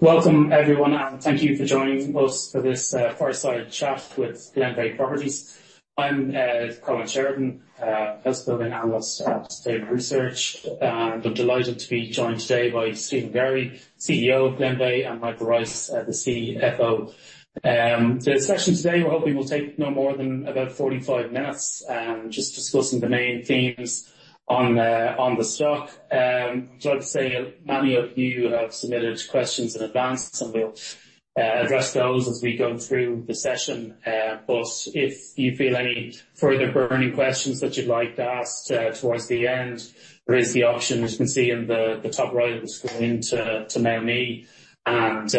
Welcome, everyone, and thank you for joining us for this fireside chat with Glenveagh Properties. I'm Colin Sheridan, real estate analyst at Goodbody Research. I'm delighted to be joined today by Stephen Garvey, CEO of Glenveagh, and Michael Rice, the CFO. The session today, we're hoping will take no more than about 45 minutes, just discussing the main themes on the, on the stock. Glad to say many of you have submitted questions in advance, and we'll address those as we go through the session. But if you feel any further burning questions that you'd like to ask, towards the end, there is the option, as you can see in the top right of the screen, to mail me, and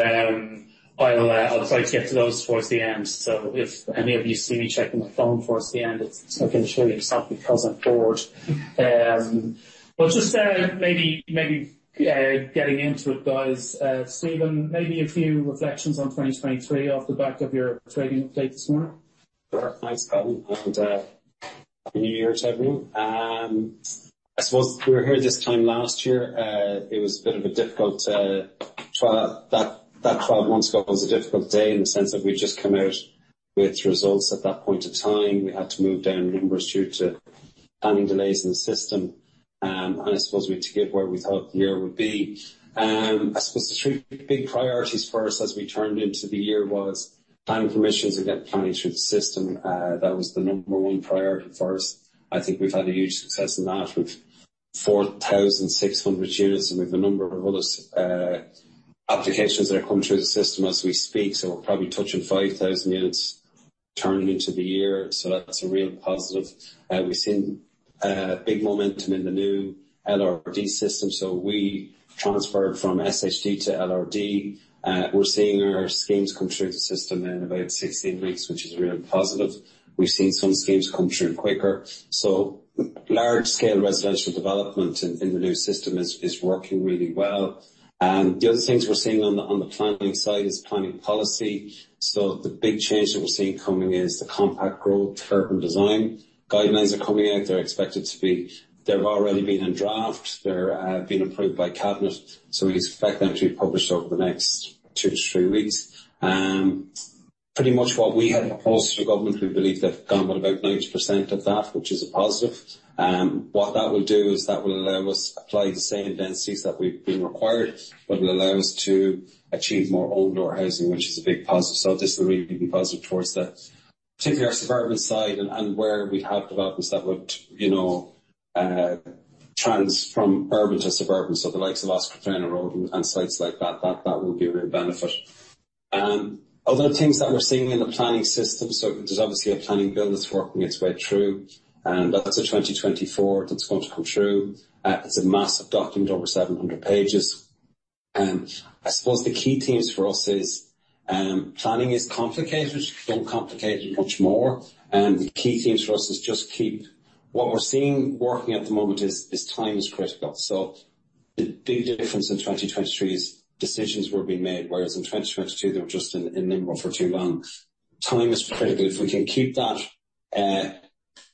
I'll try to get to those towards the end. So if any of you see me checking my phone towards the end, it's not necessarily because I'm bored. But just getting into it, guys, Stephen, maybe a few reflections on 2023 off the back of your trading update this morning. Sure. Thanks, Colin, and, Happy New Year to everyone. I suppose we were here this time last year. It was a bit of a difficult, trial. That, that twelve months ago was a difficult day in the sense that we just come out with results at that point in time. We had to move down numbers due to planning delays in the system. And I suppose we had to get where we thought the year would be. I suppose the three big priorities first, as we turned into the year was planning permissions to get planning through the system. That was the number one priority for us. I think we've had a huge success in that, with 4,600 units, and we've a number of other applications that are coming through the system as we speak, so we're probably touching 5,000 units turning into the year. So that's a real positive. We've seen big momentum in the new LRD system, so we transferred from SHD to LRD. We're seeing our schemes come through the system in about 16 weeks, which is really positive. We've seen some schemes come through quicker. So Large-Scale Residential Development in the new system is working really well. And the other things we're seeing on the planning side is planning policy. So the big change that we're seeing coming is the Compact Growth Urban Design Guidelines. They're coming out. They're expected to be. They've already been in draft. They're being approved by Cabinet, so we expect them to be published over the next 2-3 weeks. Pretty much what we had proposed to the government, we believe they've gone with about 90% of that, which is a positive. What that will do is that will allow us apply the same densities that we've been required, but will allow us to achieve more outdoor housing, which is a big positive. So this will really be positive towards the, particularly our suburban side and, and where we have developments that would, you know, trans from urban to suburban, so the likes of Oscar Traynor Road and sites like that, that will be a real benefit. Other things that we're seeing in the planning system, so there's obviously a Planning Bill that's working its way through, and that's a 2024 that's going to come through. It's a massive document, over 700 pages. And I suppose the key themes for us is planning is complicated, it's become complicated much more, and the key themes for us is what we're seeing working at the moment is time is critical. So the big difference in 2023 is decisions were being made, whereas in 2022, they were just in limbo for too long. Time is critical. If we can keep that,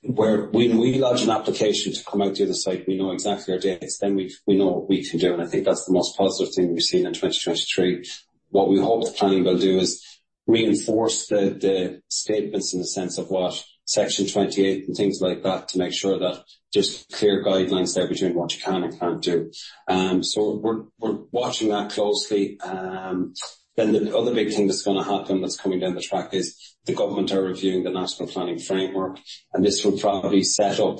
where when we lodge an application to come out to the site, we know exactly our dates, then we know what we can do, and I think that's the most positive thing we've seen in 2023. What we hope the planning will do is reinforce the statements in the sense of what Section 28 and things like that, to make sure that there's clear guidelines there between what you can and can't do. So we're watching that closely. Then the other big thing that's gonna happen, that's coming down the track is the government are reviewing the National Planning Framework, and this will probably set up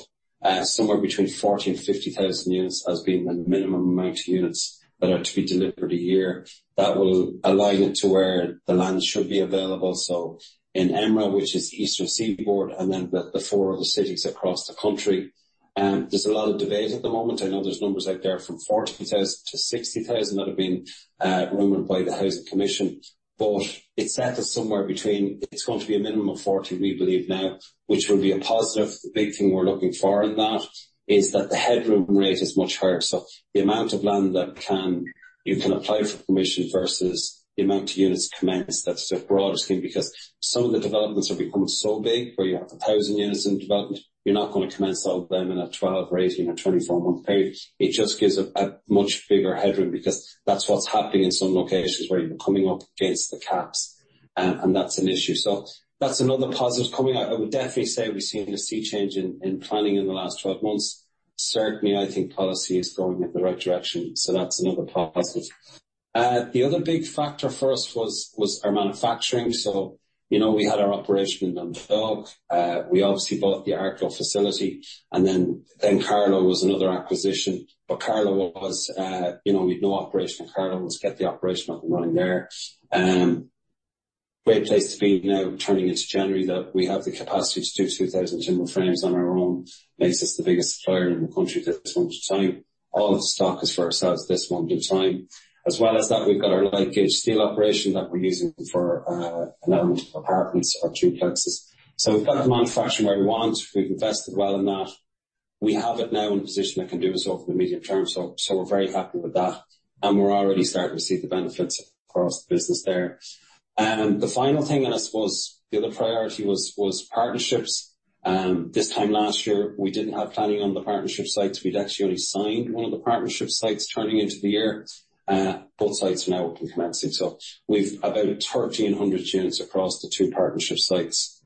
somewhere between 40,000 and 50,000 units as being the minimum amount of units that are to be delivered a year. That will align it to where the land should be available, so in EMRA, which is Eastern Seaboard, and then the four other cities across the country. There's a lot of debate at the moment. I know there's numbers out there from 40,000-60,000 that have been rumored by the Housing Commission, but it's set to somewhere between It's going to be a minimum of 40, we believe now, which will be a positive. The big thing we're looking for in that is that the headroom rate is much higher. So the amount of land that can, you can apply for permission versus the amount of units commenced. That's the broader scheme, because some of the developments have become so big, where you have 1,000 units in development, you're not going to commence all of them in a 12- or 18- or 24-month period. It just gives a much bigger headroom, because that's what's happening in some locations where you're coming up against the caps, and that's an issue. So that's another positive coming out. I would definitely say we've seen a sea change in planning in the last 12 months. Certainly, I think policy is going in the right direction, so that's another positive. The other big factor for us was our manufacturing. So, you know, we had our operation in Dunboyne. We obviously bought the Arklow facility, and then Carlow was another acquisition. But Carlow was, you know, we had no operation in Carlow, was get the operation up and running there. Great place to be now, turning into January, that we have the capacity to do 2,000 timber frames on our own, makes us the biggest supplier in the country at this point in time. All of the stock is for ourselves at this point in time. As well as that, we've light gauge steel operation that we're using for, 11 apartments or duplexes. So we've got the manufacturing where we want. We've invested well in that. We have it now in a position that can do this over the medium term, so we're very happy with that, and we're already starting to see the benefits across the business there. The final thing, and I suppose the other priority was partnerships. This time last year, we didn't have planning on the partnership sites. We'd actually only signed one of the partnership sites turning into the year. Both sites are now up and commencing. So we've about 1,300 units across the two partnership sites,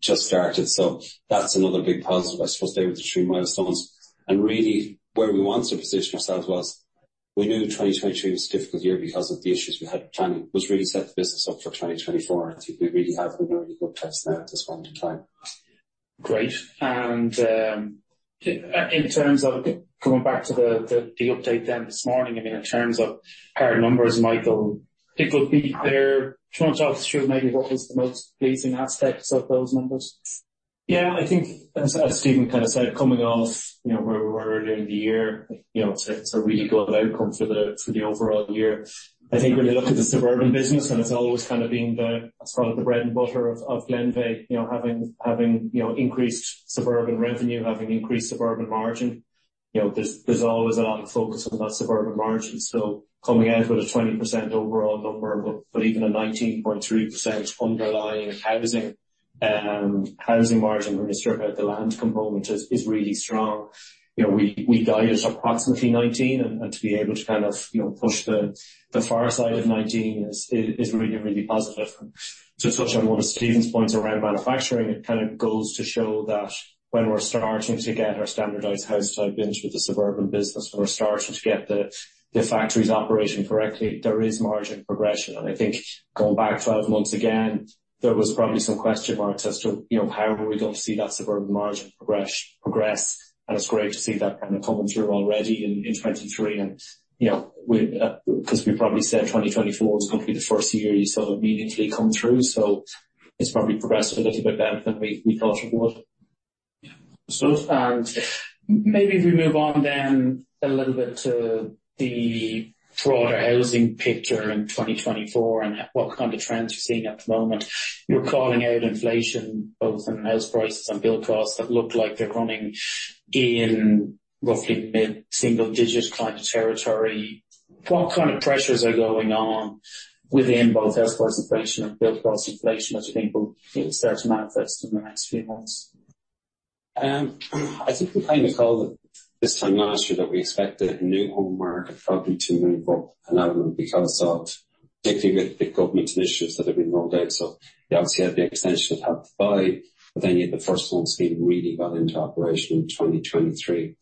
just started. So that's another big positive, I suppose, there with the three milestones. And really, where we want to position ourselves was, we knew 2022 was a difficult year because of the issues we had planning. Was really set the business up for 2024, and I think we really have a very good test now at this point in time. Great. And in terms of going back to the update then this morning, I mean, in terms of hard numbers, Michael, it would be fair. Do you want to talk through maybe what was the most pleasing aspects of those numbers? Yeah, I think as, as Stephen kind of said, coming off, you know, where we were earlier in the year, you know, it's a, it's a really good outcome for the, for the overall year. I think when you look at the suburban business, and it's always kind of been the, sort of the bread and butter of, of Glenveagh, you know, having, having, you know, increased suburban revenue, having increased suburban margin. You know, there's, there's always a lot of focus on that suburban margin. So coming out with a 20% overall number, but, but even a 19.3% underlying housing, housing margin, when you strip out the land component, is, is really strong. You know, we, we guided approximately 19, and, and to be able to kind of, you know, push the, the far side of 19 is, is, is really, really positive. To touch on one of Stephen's points around manufacturing, it kind of goes to show that when we're starting to get our standardized house type in with the suburban business, when we're starting to get the factories operating correctly, there is margin progression. And I think going back 12 months again, there was probably some question marks as to, you know, how are we going to see that suburban margin progress, progress. And it's great to see that kind of coming through already in 2023 and, you know, with 'cause we probably said 2024 is going to be the first year you sort of immediately come through, so it's probably progressed a little bit better than we thought it would. Maybe if we move on then a little bit to the broader housing picture in 2024, and what kind of trends you're seeing at the moment. You're calling out inflation, both in house prices and build costs that look like they're running in roughly mid-single-digit kind of territory. What kind of pressures are going on within both house price inflation and build cost inflation that you think will start to manifest in the next few months? I think we kind of called it this time last year, that we expected the new home market probably to move up another because of, particularly with the government initiatives that have been rolled out. So you obviously had the extension of Help to Buy, but then yet the First Home Scheme really got into operation in 2023.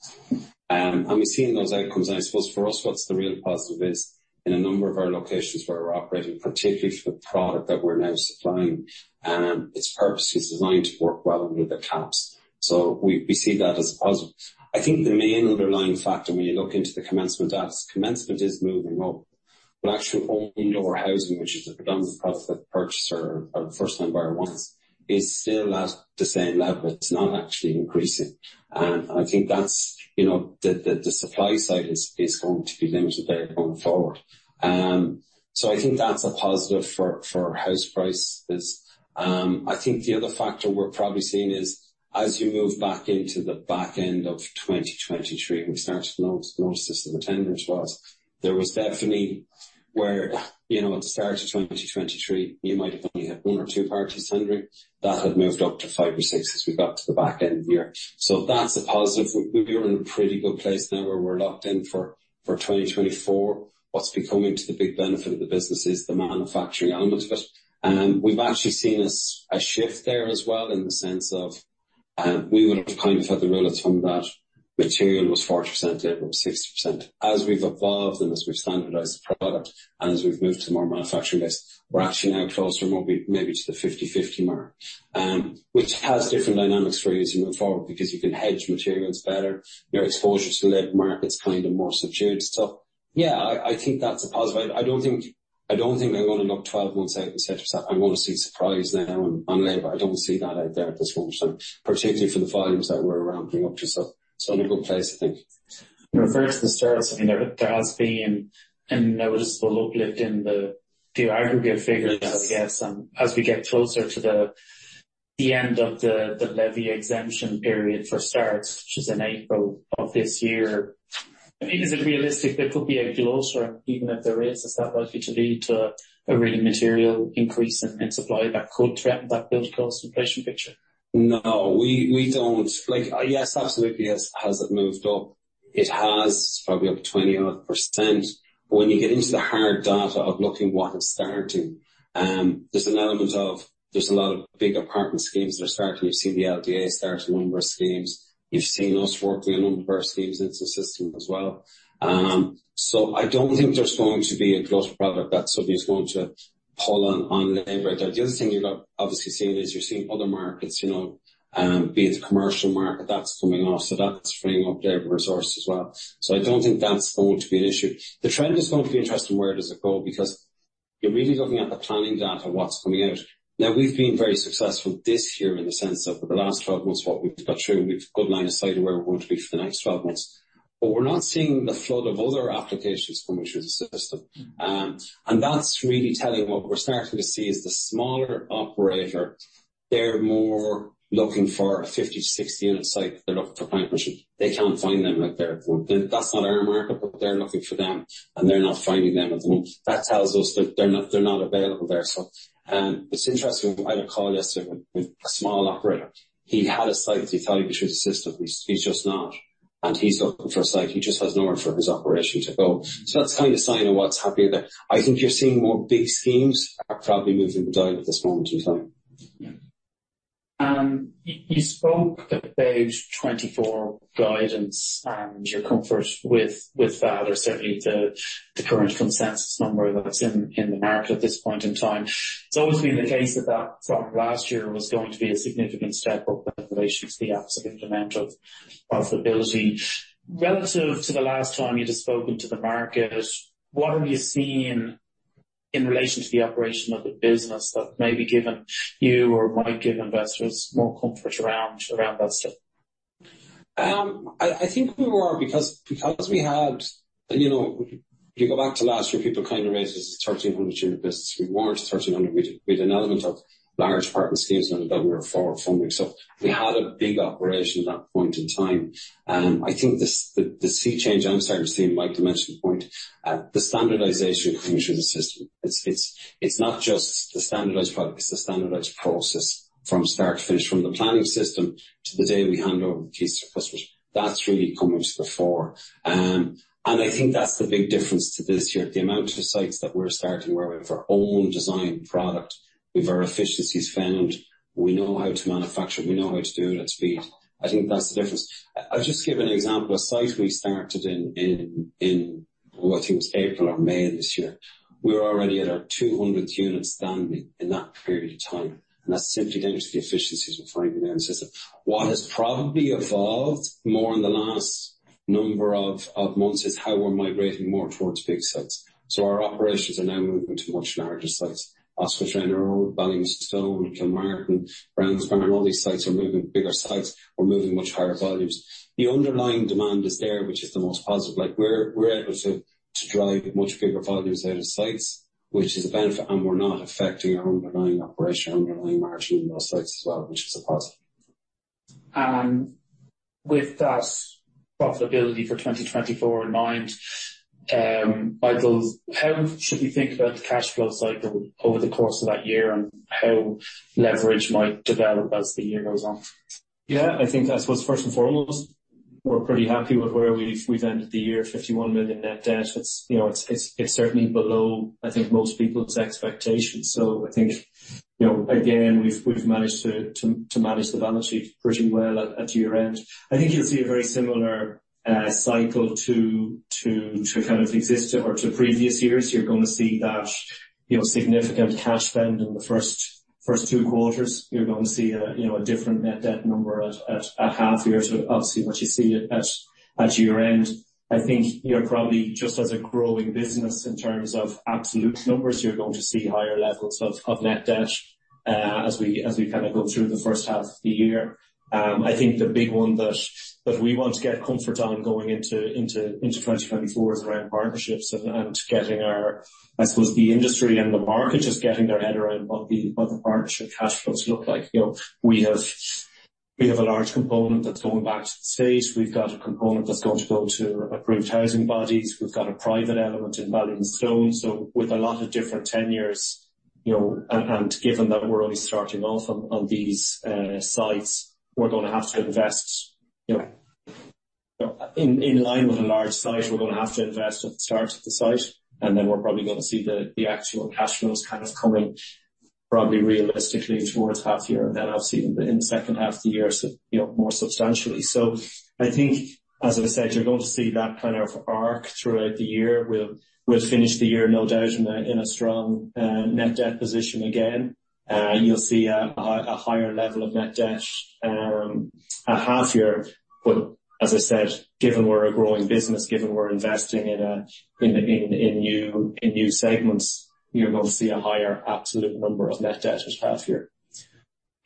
And we've seen those outcomes, and I suppose for us, what's the real positive is, in a number of our locations where we're operating, particularly for the product that we're now supplying, its purpose is designed to work well under the caps. So we, we see that as a positive. I think the main underlying factor when you look into the commencement, that's commencement is moving up. But actually all indoor housing, which is the predominant product that purchaser or first-time buyer wants, is still at the same level. It's not actually increasing. And I think that's, you know, the supply side is going to be limited there going forward. So I think that's a positive for house prices. I think the other factor we're probably seeing is as you move back into the back end of 2023, we started to notice this in the attendance was, there was definitely where, you know, at the start of 2023, you might have only had one or two parties hundred. That had moved up to five or six as we got to the back end of the year. So that's a positive. We are in a pretty good place now where we're locked in for 2024. What's becoming the big benefit of the business is the manufacturing element of it. And we've actually seen a shift there as well, in the sense of, we would have kind of had the rule of thumb that material was 40%, labor was 60%. As we've evolved and as we've standardized the product and as we've moved to more manufacturing base, we're actually now closer, maybe, to the 50/50 mark, which has different dynamics for you as you move forward because you can hedge materials better. Your exposure to labor market is kind of more subdued. So, yeah, I think that's a positive. I don't think, I don't think I'm gonna look 12 months out and say to myself, "I'm gonna see surprise now on labor." I don't see that out there at this point in time, particularly for the volumes that we're ramping up to. So, it's in a good place, I think. Referring to the starts, I mean, there has been a noticeable uplift in the aggregate figures, I guess. As we get closer to the end of the levy exemption period for starts, which is in April of this year, I mean, is it realistic there could be a closure, even if there is, is that likely to lead to a really material increase in supply that could threaten that build cost inflation picture? No, we don't. Like, yes, absolutely, yes. Has it moved up? It has, probably up to 20-odd%. But when you get into the hard data of looking what it's starting, there's an element of, there's a lot of big apartment schemes that are starting. You see the LDA starting a number of schemes. You've seen us working on a number of schemes in the system as well. So I don't think there's going to be a glut product that suddenly is going to pull on labor. The other thing you've obviously seen is, you're seeing other markets, you know, be it the commercial market that's coming off, so that's freeing up labor resources as well. So I don't think that's going to be an issue. The trend is going to be interesting, where does it go? Because you're really looking at the planning data, what's coming out. Now, we've been very successful this year in the sense of, for the last 12 months, what we've got through, we've a good line of sight of where we're going to be for the next 12 months. But we're not seeing the flood of other applications coming through the system. And that's really telling. What we're starting to see is the smaller operator, they're more looking for a 50-60-unit site. They're looking for partnership. They can't find them out there. That's not our market, but they're looking for them, and they're not finding them at the moment. That tells us that they're not, they're not available there. So, it's interesting, I had a call yesterday with a small operator. He had a site that he thought he could put the system, he's just not. And he's looking for a site. He just has nowhere for his operation to go. So that's kind of a sign of what's happening there. I think you're seeing more big schemes are probably moving the dial at this moment in time. Yeah. You spoke about 2024 guidance and your comfort with that, or certainly the current consensus number that's in the market at this point in time. It's always been the case that from last year was going to be a significant step up in relation to the absolute amount of ability. Relative to the last time you'd have spoken to the market, what are you seeing in relation to the operation of the business that maybe given you or might give investors more comfort around that stuff? I think we were, because we had, and, you know, if you go back to last year, people kind of raised this 1,300 units business. We weren't 1,300. We had, we had an element of large partner schemes that we were forward funding, so we had a big operation at that point in time. I think the, the sea change I'm starting to see, and Mike, you mentioned the point, the standardization coming through the system. It's not just the standardized product, it's the standardized process from start to finish, from the planning system to the day we hand over the keys to customers. That's really coming to the fore. And I think that's the big difference to this year. The amount of sites that we're starting where with our own design product, with our efficiencies found, we know how to manufacture, we know how to do it at speed. I think that's the difference. I'll just give an example. A site we started in April or May of this year, we were already at our 200th unit standing in that period of time, and that's simply down to the efficiencies we're finding now in the system. What has probably evolved more in the last number of months is how we're migrating more towards big sites. So our operations are now moving to much larger sites. As with generally Ballinasloe, Kilmartin, Brownsbarn, all these sites are moving bigger sites. We're moving much higher volumes. The underlying demand is there, which is the most positive. Like, we're able to drive much bigger volumes out of sites, which is a benefit, and we're not affecting our underlying operation, underlying margin in those sites as well, which is a positive. With that profitability for 2024 in mind, Michael, how should we think about the cash flow cycle over the course of that year, and how leverage might develop as the year goes on? Yeah, I think I suppose first and foremost, we're pretty happy with where we've ended the year, 51 million net debt. It's, you know, it's certainly below, I think, most people's expectations. So I think, you know, again, we've managed to manage the balance sheet pretty well at year-end. I think you'll see a very similar cycle to previous years. You're gonna see that, you know, significant cash spend in the first two quarters. You're going to see a, you know, a different net debt number at half year to obviously what you see at year-end. I think you're probably just as a growing business in terms of absolute numbers, you're going to see higher levels of net debt as we kind of go through the first half of the year. I think the big one that we want to get comfort on going into 2024 is around partnerships and getting our, I suppose, the industry and the market, just getting their head around what the partnership cash flows look like. You know, we have a large component that's going back to the state. We've got a component that's going to go to Approved Housing Bodies. We've got a private element in Ballinasloe, so with a lot of different tenures, you know, and given that we're only starting off on these sites, we're gonna have to invest, you know. In line with a large site, we're gonna have to invest at the start of the site, and then we're probably gonna see the actual cash flows kind of coming probably realistically towards half year, and then obviously in the second half of the year, so, you know, more substantially. So I think, as I said, you're going to see that kind of arc throughout the year. We'll finish the year, no doubt, in a strong net debt position again. You'll see a higher level of net debt at half year. But as I said, given we're a growing business, given we're investing in new segments, you're going to see a higher absolute number of net debt at half year.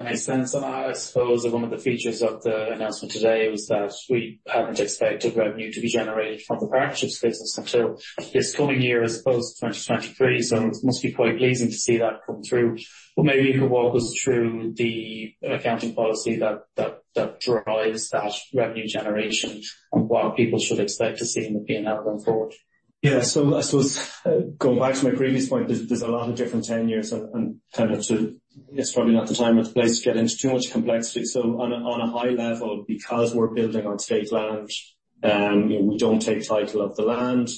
I sense, and I suppose one of the features of the announcement today was that we haven't expected revenue to be generated from the partnerships business until this coming year, as opposed to 2023. So it must be quite pleasing to see that come through. But maybe you could walk us through the accounting policy that drives that revenue generation and what people should expect to see in the PN going forward. Yeah. So I suppose, going back to my previous point, there's a lot of different tenures and kind of to. It's probably not the time or the place to get into too much complexity. So on a high level, because we're building on state land, you know, we don't take title of the land,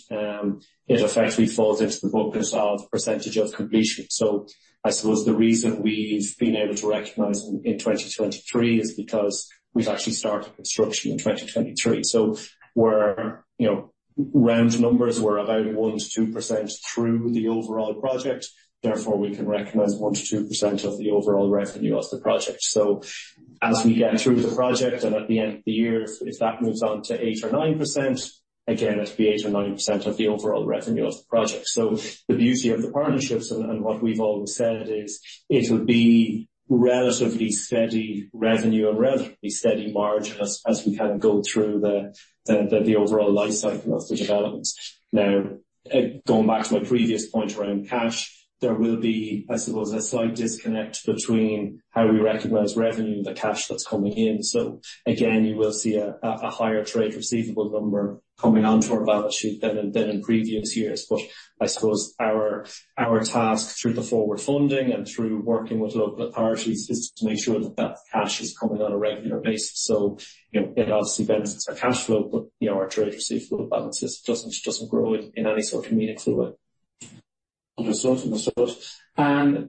it effectively falls into the bucket of percentage of completion. So I suppose the reason we've been able to recognize in 2023 is because we've actually started construction in 2023. So we're, you know, round numbers, we're about 1%-2% through the overall project. Therefore, we can recognize 1%-2% of the overall revenue of the project. So as we get through the project and at the end of the year, if that moves on to 8% or 9%, again, it'll be 8% or 9% of the overall revenue of the project. So the beauty of the partnerships and what we've always said is, it'll be relatively steady revenue and relatively steady margin as we kind of go through the overall life cycle of the development. Now, going back to my previous point around cash, there will be, I suppose, a slight disconnect between how we recognize revenue and the cash that's coming in. So again, you will see a higher trade receivable number coming onto our balance sheet than in previous years. But I suppose our task through the forward funding and through working with local authorities is to make sure that that cash is coming on a regular basis. So, you know, it obviously benefits our cash flow, but, you know, our trade receivable balances doesn't grow in any sort of meaningful way. Understood, understood.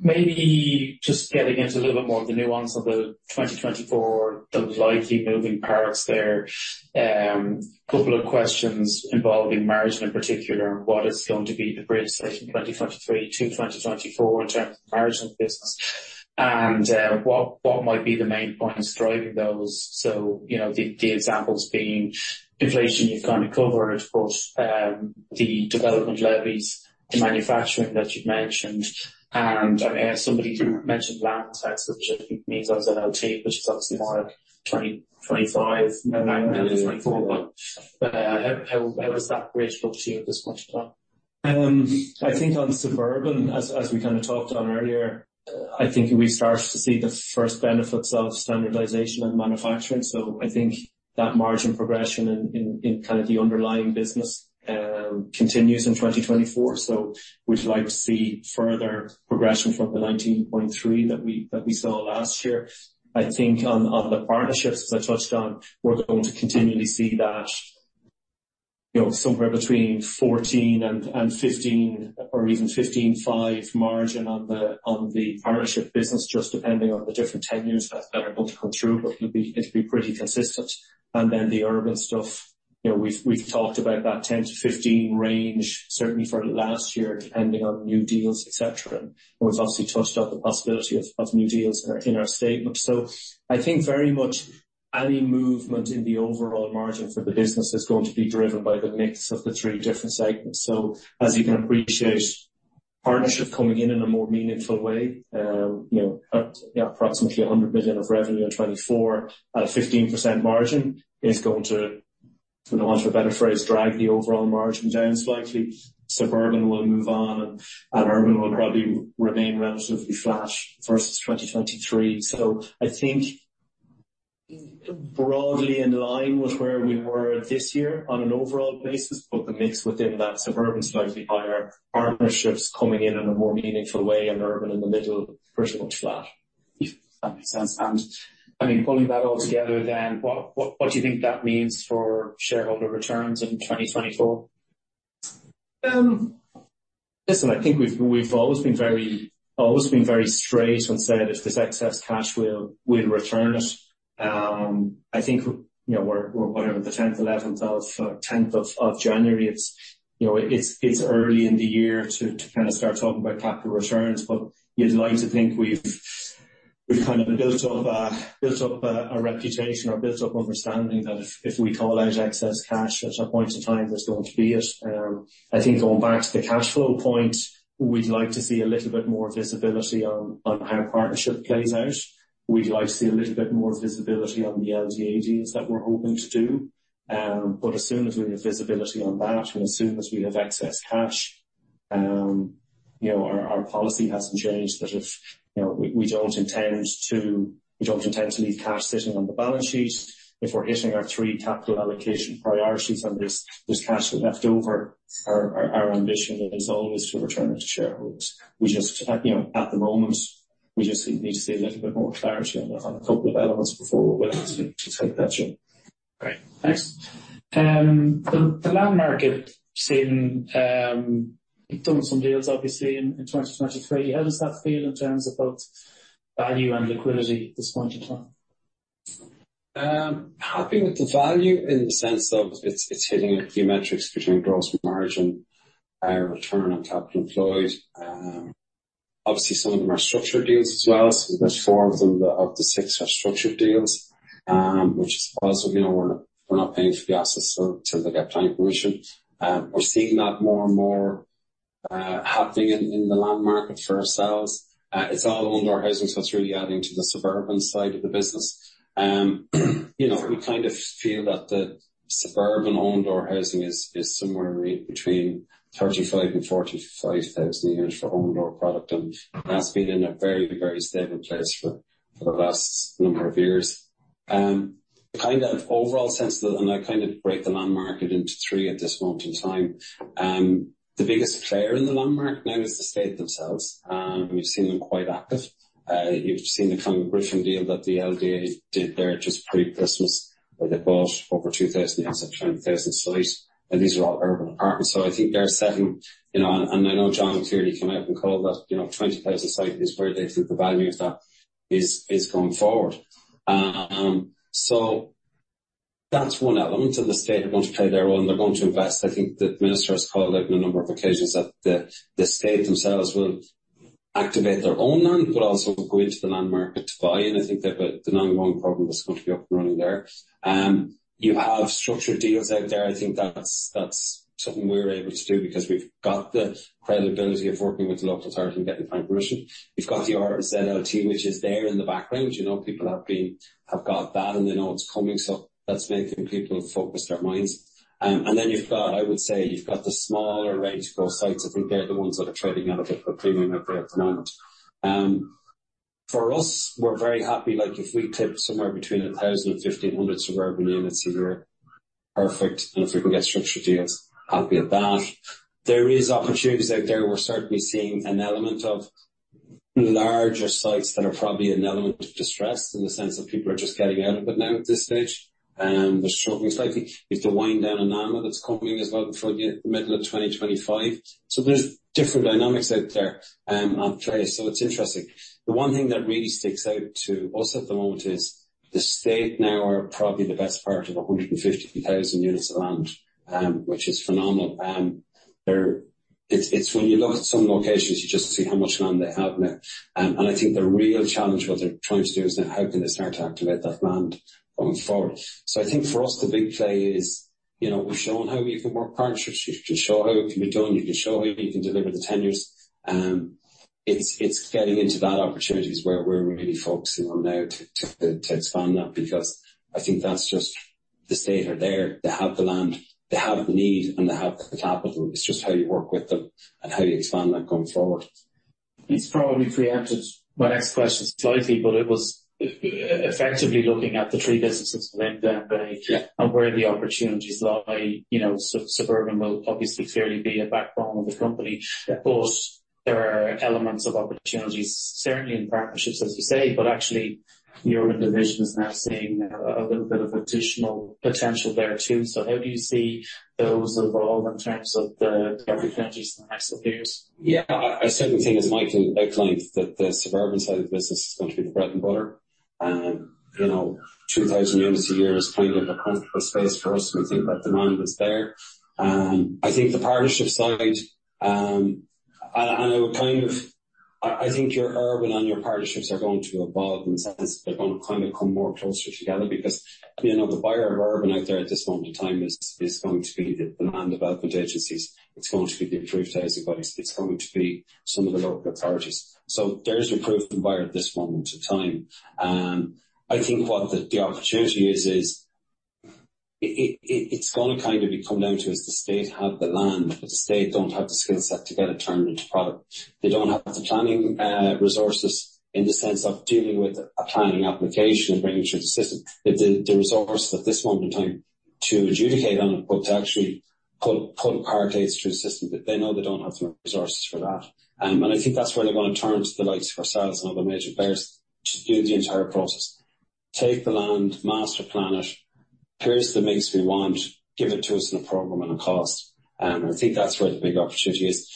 Maybe just getting into a little bit more of the Nuance of the 2024, the likely moving parts there. Couple of questions involving margin in particular, what is going to be the bridge between 2023 to 2024 in terms of margin business, and, what, what might be the main points driving those? You know, the, the examples being inflation, you've kind of covered, but, the development levies, the manufacturing that you've mentioned, and, I mean, somebody mentioned land tax, which I think means RZLT, which is obviously more like 2025, 2024. But, how, how does that bridge look to you at this point in time? I think on suburban, as we kind of talked on earlier, I think we start to see the first benefits of standardization and manufacturing. So I think that margin progression in kind of the underlying business continues in 2024. So we'd like to see further progression from the 19.3% that we saw last year. I think on the partnerships, as I touched on, we're going to contiNually see that, you know, somewhere between 14% and 15% or even 15.5% margin on the partnership business, just depending on the different tenures that are going to come through, but it'll be, it'll be pretty consistent. And then the urban stuff, you know, we've talked about that 10%-15% range, certainly for last year, depending on new deals, et cetera. We've obviously touched on the possibility of new deals in our statement. So I think very much any movement in the overall margin for the business is going to be driven by the mix of the three different segments. So as you can appreciate, partnership coming in in a more meaningful way, you know, approximately 100 million of revenue in 2024 at a 15% margin is going to, for the want of a better phrase, drag the overall margin down slightly. Suburban will move on, and urban will probably remain relatively flat versus 2023. So I think broadly in line with where we were this year on an overall basis, but the mix within that suburban, slightly higher partnerships coming in, in a more meaningful way, and urban in the middle, pretty much flat. That makes sense. And, I mean, pulling that all together, then, what, what, what do you think that means for shareholder returns in 2024? Listen, I think we've always been very straight when saying if there's excess cash, we'll return it. I think, you know, we're whatever, the tenth, eleventh of JaNuary. It's, you know, it's early in the year to kind of start talking about capital returns, but you'd like to think we've kind of built up a reputation or built up understanding that if we call out excess cash at a point in time, there's going to be it. I think going back to the cash flow point, we'd like to see a little bit more visibility on how partnership plays out. We'd like to see a little bit more visibility on the LDA deals that we're hoping to do. But as soon as we have visibility on that, and as soon as we have excess cash, you know, our policy hasn't changed. But if, you know, we don't intend to leave cash sitting on the balance sheet. If we're hitting our three capital allocation priorities and there's cash left over, our ambition is always to return it to shareholders. We just, you know, at the moment, we just need to see a little bit more clarity on a couple of elements before we're willing to take that jump. Great, thanks. The land market's seen, you've done some deals, obviously, in 2023. How does that feel in terms of both value and liquidity at this point in time? Happy with the value in the sense of it's, it's hitting a few metrics between gross margin and return on capital employed. Obviously, some of them are structured deals as well. So there's 4 of them, of the 6 are structured deals, which is positive. You know, we're, we're not paying for the assets until they get planning permission. We're seeing that more and more happening in, in the land market for ourselves. It's all own-door housing, so it's really adding to the suburban side of the business. You know, we kind of feel that the suburban own-door housing is, is somewhere between 35 and 45 thousand units for own-door product, and that's been in a very, very stable place for, for the last number of years. Kind of overall sense of that, and I kind of break the land market into three at this point in time. The biggest player in the land market now is the state themselves, and we've seen them quite active. You've seen the kind of Clongriffin deal that the LDA did there just pre-Christmas, where they bought over 2,000 units at 20,000 site, and these are all urban apartments. So I think they're setting, you know, and, and I know John Coleman came out and called that, you know, 20,000 site is where they think the value of that is going forward. So that's one element, and the state are going to play their role, and they're going to invest. I think the Minister has called out on a number of occasions that the state themselves will activate their own land, but also go into the land market to buy in. I think they have an ongoing program that's going to be up and running there. You have structured deals out there. I think that's something we're able to do because we've got the credibility of working with the local authority and getting planning permission. You've got the RZLT, which is there in the background. You know, people have got that, and they know it's coming, so that's making people focus their minds. And then you've got, I would say, you've got the smaller range of sites. I think they're the ones that are trading at a bit of a premium out there at the moment. For us, we're very happy. Like, if we clip somewhere between 1,000 and 1,500 suburban units a year, perfect, and if we can get structured deals, happy with that. There is opportunities out there. We're certainly seeing an element of, Larger sites that are probably an element of distress, in the sense that people are just getting out of it now at this stage, and they're struggling slightly. You've to wind down a loan that's coming as well from the middle of 2025. So there's different dynamics out there, on trade, so it's interesting. The one thing that really sticks out to us at the moment is the state now are probably the best part of 150,000 units of land, which is phenomenal. It's, it's when you look at some locations, you just see how much land they have now. And I think the real challenge, what they're trying to do is that how can they start to activate that land going forward? So I think for us, the big play is, you know, we've shown how we can work partnerships. You've just show how it can be done. You can show how you can deliver the tenures. It's getting into that opportunities where we're really focusing on now to expand that, because I think that's just the state are there. They have the land, they have the need, and they have the capital. It's just how you work with them and how you expand that going forward. It's probably preempted my next question slightly, but it was, effectively looking at the three businesses within Glenveagh- Yeah. and where the opportunities lie. You know, suburban will obviously clearly be a backbone of the company. Yeah. But there are elements of opportunities, certainly in partnerships, as you say, but actually, your urban division is now seeing a little bit of additional potential there, too. So how do you see those evolve in terms of the opportunities in the next few years? Yeah, I certainly think, as Michael outlined, that the suburban side of the business is going to be the bread and butter. You know, 2,000 units a year is kind of a comfortable space for us. We think that demand is there. I think the partnership side, and I would kind of, I think your urban and your partnerships are going to evolve, in the sense that they're gonna kind of come more closer together. Because, you know, the buyer of urban out there at this moment in time is going to be the Land Development Agency. It's going to be the Approved Housing Bodies. It's going to be some of the local authorities. So there's your preferred provider at this moment in time. I think what the opportunity is, it's gonna kind of come down to is the state have the land, but the state don't have the skill set to get it turned into product. They don't have the planning resources in the sense of dealing with a planning application and bringing it through the system. The resource at this moment in time to adjudicate on it, but to actually put applications through the system, they know they don't have the resources for that. And I think that's where they're gonna turn to the likes of ourselves and other major players to do the entire process. Take the land, master plan it, choose the mix we want, give it to us in a program and a cost. And I think that's where the big opportunity is.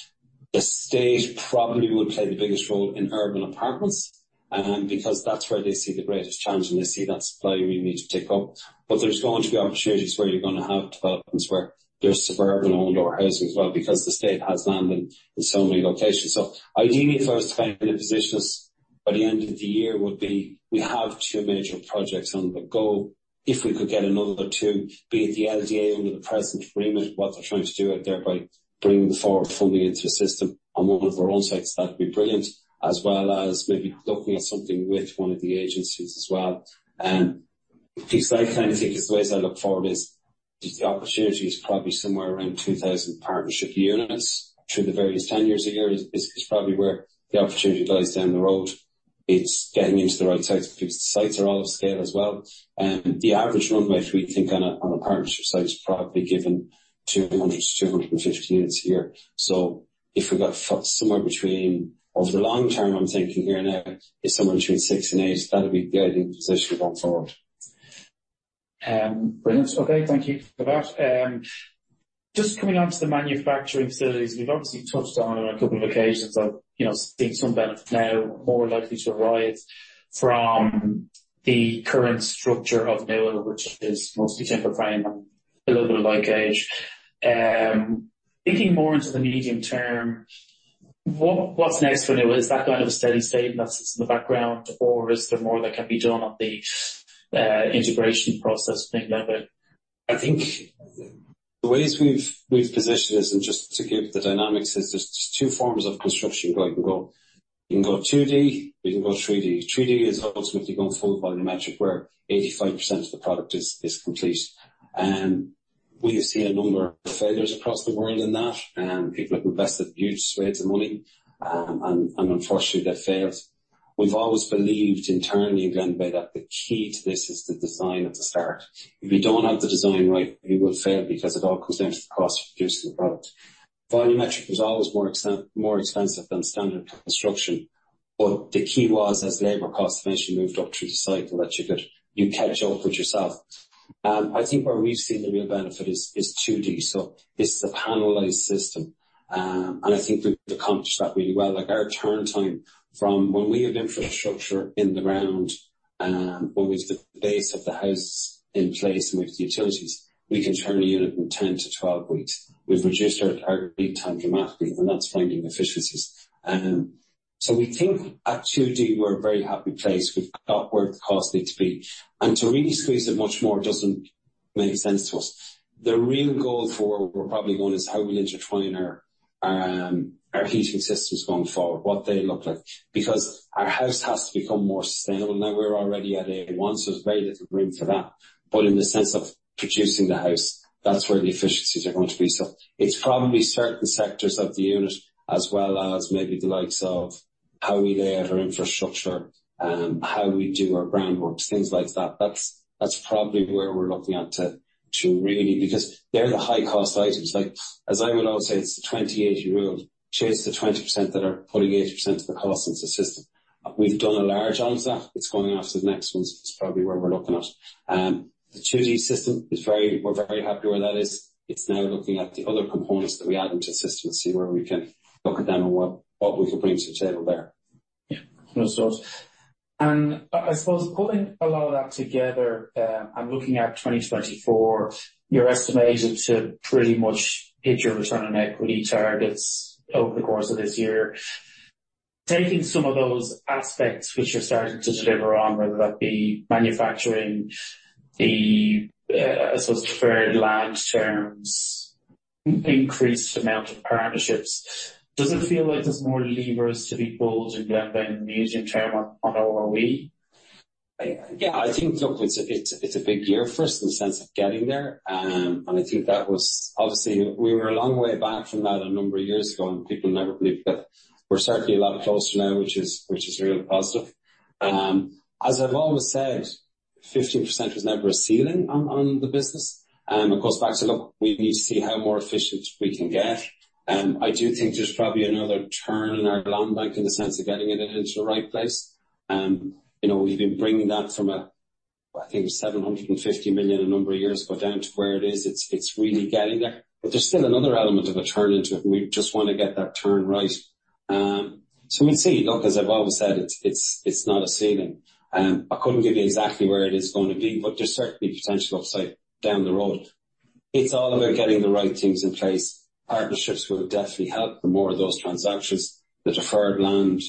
The state probably would play the biggest role in urban apartments, because that's where they see the greatest challenge, and they see that supply we need to take up. But there's going to be opportunities where you're gonna have developments, where there's suburban housing as well, because the state has land in so many locations. So ideally, if I was to find the positions by the end of the year would be, we have two major projects on the go. If we could get another two, be it the LDA under the present agreement, what they're trying to do out there by bringing the forward funding into the system on one of our own sites, that'd be brilliant. As well as maybe looking at something with one of the agencies as well. Because I kind of think the ways I look forward is, the opportunity is probably somewhere around 2,000 partnership units through the various tenures a year, is probably where the opportunity lies down the road. It's getting into the right sites, because the sites are all of scale as well. The average runway, we think, on a partnership site is probably given 200-250 units a year. So if we got somewhere between. Over the long term, I'm thinking here now, is somewhere between 6 and 8, that'll be a good position going forward. Brilliant. Okay, thank you for that. Just coming on to the manufacturing facilities, we've obviously touched on, on a couple of occasions of, you know, seeing some benefit now more likely to arise from the current structure of Nua, which is mostly timber frame and a little bit of light gauge. Digging more into the medium term, what's next for Nua? Is that kind of a steady state that's in the background, or is there more that can be done on the integration process thing now? I think the ways we've positioned this, and just to give the dynamics, is there's 2 forms of construction you can go. You can go 2D, you can go 3D. 3D is ultimately going full volumetric, where 85% of the product is complete. We have seen a number of failures across the world in that, people have invested huge swathes of money, and unfortunately, they've failed. We've always believed internally in Glenveagh, that the key to this is the design at the start. If you don't have the design right, you will fail because it all comes down to the cost of producing the product. Volumetric was always more expensive than standard construction, but the key was as labor costs eventually moved up through the cycle, that you could catch up with yourself. I think where we've seen the real benefit is 2D. So this is a panelized system, and I think we've accomplished that really well. Like, our turn time from when we have infrastructure in the ground, when we've the base of the house in place and with the utilities, we can turn a unit in 10-12 weeks. We've reduced our, our lead time dramatically, and that's finding efficiencies. So we think at 2D, we're a very happy place. We've got where the cost need to be, and to really squeeze it much more doesn't make sense to us. The real goal for where we're probably going is how we intertwine our, our heating systems going forward, what they look like. Because our house has to become more sustainable. Now, we're already at A1, so there's very little room for that, but in the sense of producing the house, that's where the efficiencies are going to be. So it's probably certain sectors of the unit, as well as maybe the likes of how we lay out our infrastructure, how we do our groundworks, things like that. That's, that's probably where we're looking at to really, because they're the high-cost items. Like, as I would always say, it's the 20/80 rule. Chase the 20% that are putting 80% of the cost into the system. We've done a large on that. It's going after the next ones, is probably where we're looking at. The 2D system is very, we're very happy where that is. It's now looking at the other components that we add into the system and see where we can look at them and what, what we can bring to the table there. Yeah, no, it does. I suppose pulling a lot of that together, and looking at 2024, you're estimated to pretty much hit your return on equity targets over the course of this year. Taking some of those aspects which you're starting to deliver on, whether that be manufacturing, the I suppose, deferred land terms, increased amount of partnerships, does it feel like there's more levers to be pulled in Glenveagh in the medium term on, on ROE? Yeah, I think, look, it's a big year for us in the sense of getting there. And I think that was obviously, we were a long way back from that a number of years ago, and people never believed it. But we're certainly a lot closer now, which is really positive. As I've always said, 15% was never a ceiling on the business. It goes back to, look, we need to see how more efficient we can get. I do think there's probably another turn in our land bank in the sense of getting it into the right place. You know, we've been bringing that from, I think, 750 million a number of years ago, down to where it is. It's really getting there. But there's still another element of a turn into it, and we just want to get that turn right. So we'll see. Look, as I've always said, it's not a ceiling. I couldn't give you exactly where it is going to be, but there's certainly potential upside down the road. It's all about getting the right things in place. Partnerships will definitely help, the more of those transactions, the deferred land.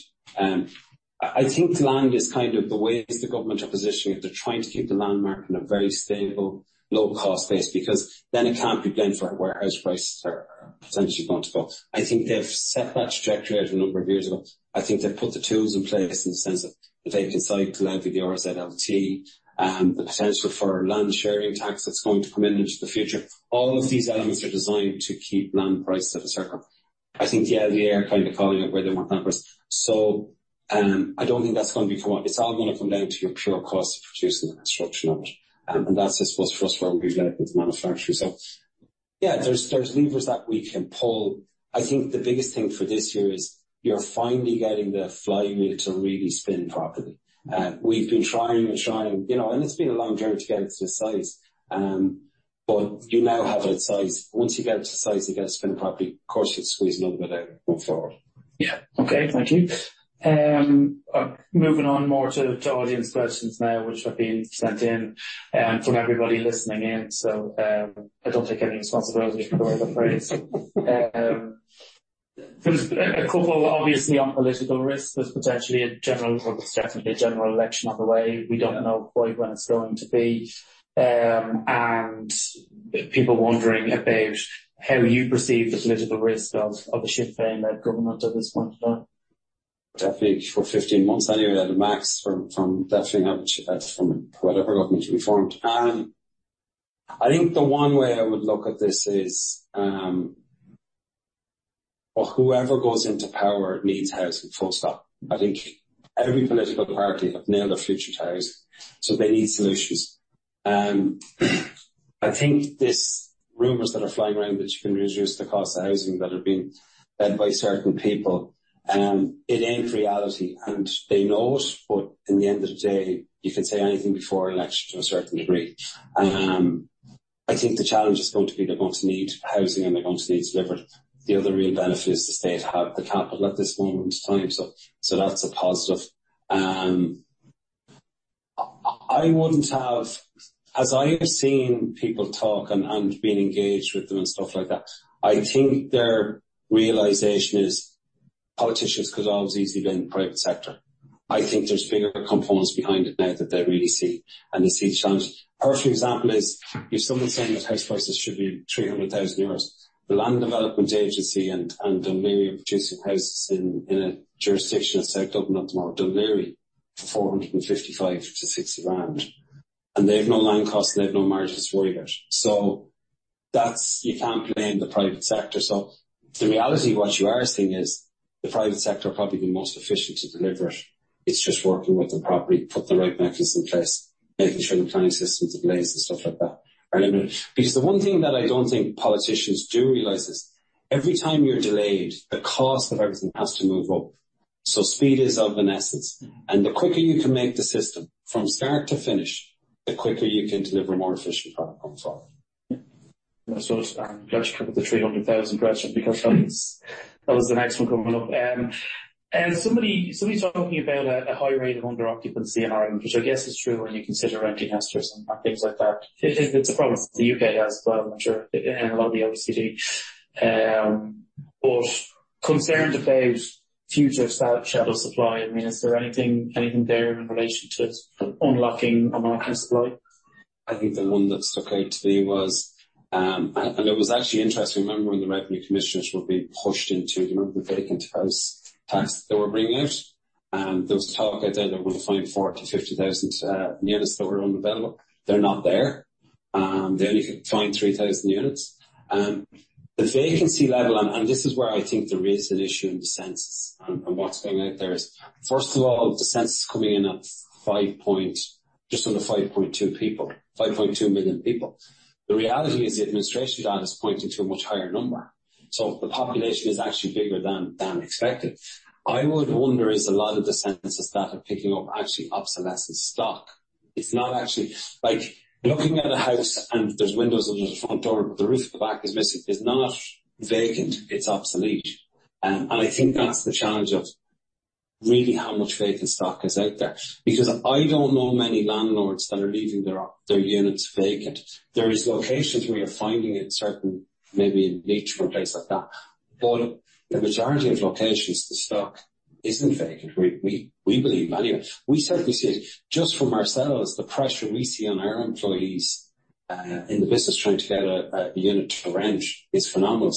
I think land is kind of the way the government are positioning it. They're trying to keep the land market in a very stable, low-cost base, because then it can't be blamed for where house prices are potentially going to go. I think they've set that trajectory out a number of years ago. I think they've put the tools in place in the sense of if they decide to go out with the RZLT, the potential for land hoarding tax that's going to come in into the future. All of these elements are designed to keep land prices in check. I think the LDA are kind of calling it where they want numbers. So, I don't think that's going to be. It's all gonna come down to your pure cost of producing the construction of it, and that's, I suppose, for us, where we've led with manufacturing. So yeah, there's levers that we can pull. I think the biggest thing for this year is you're finally getting the flywheel to really spin properly. We've been trying and trying, you know, and it's been a long journey to get it to size, but you now have it sized. Once you get it to size, you get it spin properly, of course, you squeeze a little bit out going forward. Yeah. Okay, thank you. Moving on more to audience questions now, which have been sent in from everybody listening in. So, I don't take any responsibility for the phrase. There's a couple, obviously, on political risk. There's potentially a general, or there's definitely a general election on the way. We don't know quite when it's going to be. And people wondering about how you perceive the political risk of a shift in that government at this point in time. Definitely for 15 months anyway, at the max from, from definitely now, from whatever government will be formed. I think the one way I would look at this is, well, whoever goes into power needs housing, full stop. I think every political party have nailed their future to housing, so they need solutions. I think these rumors that are flying around, which can reduce the cost of housing, that are being led by certain people, it ain't reality, and they know it, but in the end of the day, you can say anything before an election to a certain degree. I think the challenge is going to be they're going to need housing, and they're going to need it delivered. The other real benefit is the state have the capital at this moment in time, so, so that's a positive. I wouldn't have. As I have seen people talk and, and been engaged with them and stuff like that, I think their realization is politicians could always easily blame private sector. I think there's bigger components behind it now that they really see, and they see challenge. Perfect example is, if someone's saying that house prices should be 300,000 euros, the Land Development Agency and, and Dún Laoghaire producing houses in a, in a jurisdiction, the state government of Dún Laoghaire, for 455,000-460,000, and they have no land costs, and they have no margins to worry about. So that's you can't blame the private sector. So the reality of what you are seeing is the private sector will probably be most efficient to deliver it. It's just working with them properly, putting the right mechanisms in place, making sure the planning systems are in place and stuff like that. Because the one thing that I don't think politicians do realize is, every time you're delayed, the cost of everything has to move up. So speed is of an essence, and the quicker you can make the system from start to finish, the quicker you can deliver a more efficient product going forward. Yeah. I suppose glad you covered the 300,000 question, because that was the next one coming up. Somebody talking about a high rate of under occupancy in Ireland, which I guess is true when you consider renting histories and things like that. It's a problem that the U.K. has as well, I'm sure, and a lot of the OECD. But concerned about future shadow supply, I mean, is there anything there in relation to unlocking on our house supply? I think the one that stuck out to me was, and it was actually interesting. Remember when the Revenue Commissioners were being pushed into, remember, the Vacant House Tax that they were bringing out? There was talk out there that we'll find 40,000-50,000 units that were unavailable. They're not there. They only could find 3,000 units. The vacancy level, and this is where I think there is an issue in the census and what's going out there is, first of all, the census is coming in at five point, just under five point two people, 5.2 million people. The reality is the administration data is pointing to a much higher number, so the population is actually bigger than expected. I would wonder is a lot of the census that are picking up actually obsolescent stock. It's not actually, like, looking at a house, and there's windows and there's a front door, the roof at the back is missing. It's not vacant, it's obsolete. And I think that's the challenge of really how much vacant stock is out there. Because I don't know many landlords that are leaving their units vacant. There is locations where you're finding it, certain, maybe in Leitrim or places like that, but the majority of locations, the stock isn't vacant. We believe anyway. We certainly see it. Just from ourselves, the pressure we see on our employees in the business trying to get a unit to rent is phenomenal.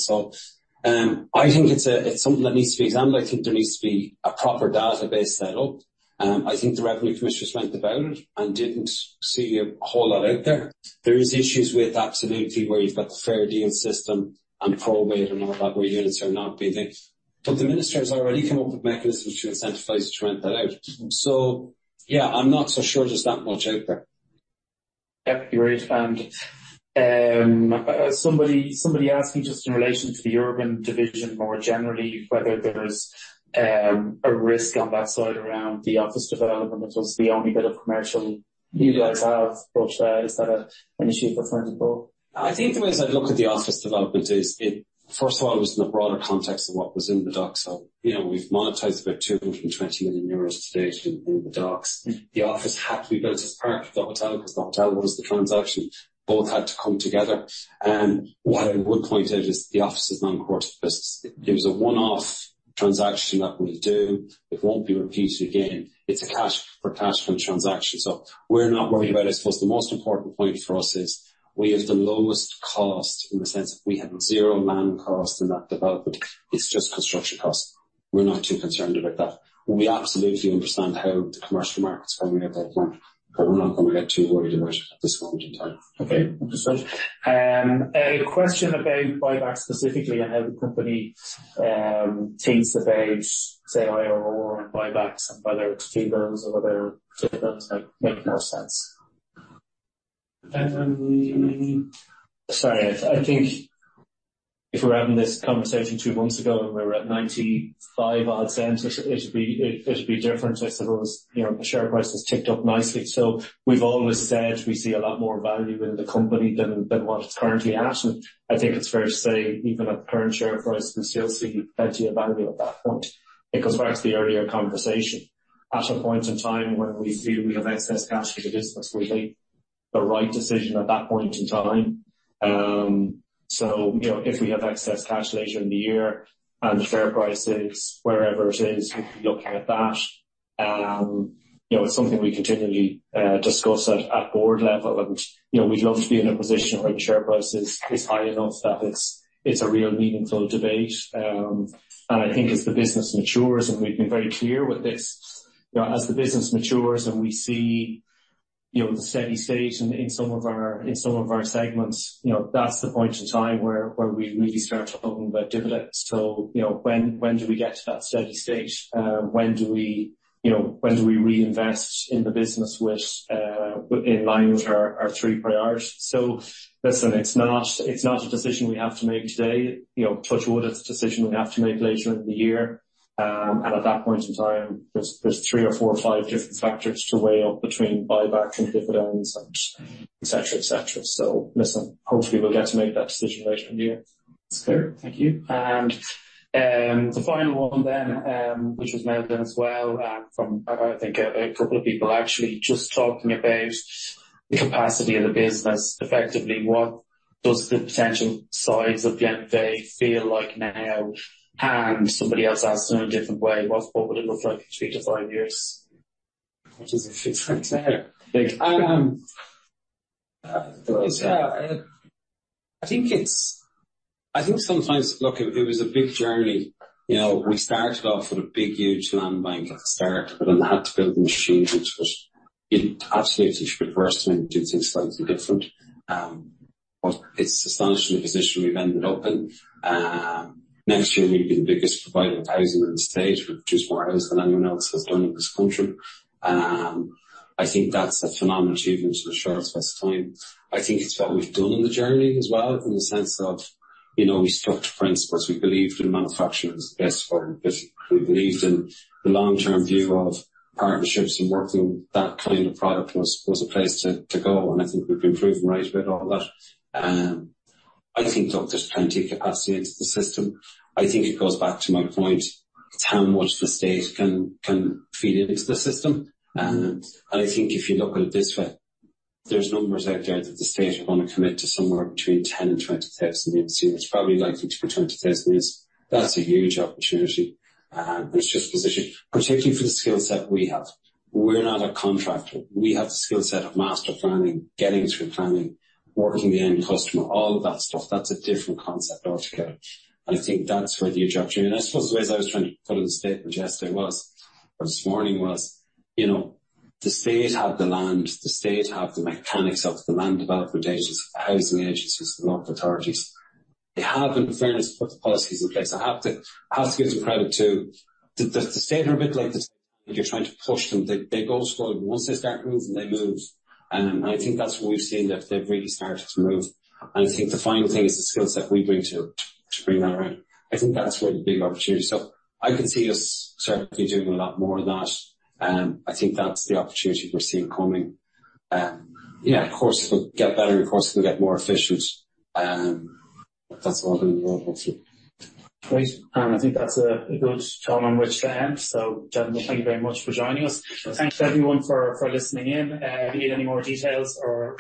So, I think it's a, it's something that needs to be examined. I think there needs to be a proper database set up. I think the Revenue Commissioner spoke about it and didn't see a whole lot out there. There is issues with absolutely where you've got the Fair Deal system and probate and all that, where units are not being let. But the minister has already come up with mechanisms to incentivize to rent that out. So yeah, I'm not so sure there's that much out there. Yep, you're right. Somebody asked me, just in relation to the urban division, more generally, whether there's a risk on that side around the office development, which was the only bit of commercial you guys have, but is that an issue for forward book? I think the way I'd look at the office development is it. First of all, it was in the broader context of what was in the dock. So, you know, we've monetized about 220 million euros to date in the docks. The office had to be built as part of the hotel, 'cause the hotel was the transaction. Both had to come together. What I would point out is the office is non-core business. It was a one-off transaction that we do. It won't be repeated again. It's a cash for cash flow transaction, so we're not worried about it. I suppose the most important point for us is we have the lowest cost in the sense we have zero land cost in that development. It's just construction cost. We're not too concerned about that. We absolutely understand how the commercial market's going out there, but we're not going to get too worried about it at this point in time. Okay. Understood. A question about buybacks specifically and how the company thinks about, say, IRR and buybacks and whether to do those or whether to make more sense? Sorry, I think if we're having this conversation two months ago, and we were at 0.95-odd, it'd be different. I suppose, you know, the share price has ticked up nicely. So we've always said we see a lot more value in the company than what it's currently at, and I think it's fair to say, even at current share price, we still see plenty of value at that point. It goes back to the earlier conversation. At a point in time when we feel we have excess cash in the business, we make the right decision at that point in time. So, you know, if we have excess cash later in the year and the share price is wherever it is, we'll look at that. You know, it's something we contiNually discuss at board level and, you know, we'd love to be in a position where the share price is high enough that it's a real meaningful debate. And I think as the business matures, and we've been very clear with this, you know, as the business matures and we see, you know, the steady state in some of our segments, you know, that's the point in time where we really start talking about dividends. So, you know, when do we get to that steady state? When do we, you know, reinvest in the business with in line with our three priorities? Listen, it's not, it's not a decision we have to make today, you know, touch wood, it's a decision we have to make later in the year. At that point in time, there's three or four or five different factors to weigh up between buybacks and dividends and et cetera, et cetera. Listen, hopefully, we'll get to make that decision later in the year. That's clear. Thank you. And the final one then, which was mailed in as well, and from, I think a couple of people actually just talking about the capacity of the business. Effectively, what does the potential size of Glenveagh feel like now? And somebody else asked in a different way, what would it look like in 3-5 years? Which is affixed right there. Look, it was a big journey. You know, we started off with a big, huge land bank at the start, but then had to build the machines, which it absolutely should reverse and do things slightly different. But it's astonishing the position we've ended up in. Next year, we'll be the biggest provider of housing in the state. We produce more housing than anyone else that's done in this country. I think that's a phenomenal achievement in a short space of time. I think it's what we've done on the journey as well, in the sense of, you know, we stuck to principles. We believed in manufacturing as best for business. We believed in the long-term view of partnerships and working that kind of product was a place to go, and I think we've been proven right about all that. I think there's plenty of capacity into the system. I think it goes back to my point, it's how much the state can feed into the system. And I think if you look at it this way, there's numbers out there that the state are gonna commit to somewhere between 10-20,000 units, it's probably likely to be 20,000 units. That's a huge opportunity, which just position, particularly for the skill set we have. We're not a contractor. We have the skill set of master planning, getting through planning, working the end customer, all of that stuff. That's a different concept altogether. I think that's where the opportunity, and I suppose the way I was trying to put it in the state yesterday was, or this morning was, you know, the state have the land, the state have the mechanics of the Land Development Agency, housing agencies, local authorities. They have, in fairness, put the policies in place. I have to give some credit to the state. The state are a bit like this, if you're trying to push them, they go slow. Once they start moving, they move. And I think that's what we've seen, that they've really started to move. And I think the final thing is the skill set we bring to bring that around. I think that's where the big opportunity. So I can see us certainly doing a lot more of that, and I think that's the opportunity we're seeing coming. Yeah, of course, it'll get better. Of course, it'll get more efficient, but that's what we're working through. Great, and I think that's a good tone on which to end. So gentlemen, thank you very much for joining us. Thanks to everyone for listening in. If you need any more details or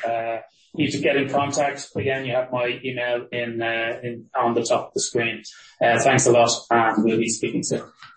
need to get in contact, again, you have my email on the top of the screen. Thanks a lot, and we'll be speaking soon.